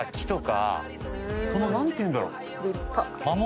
何ていうんだろう？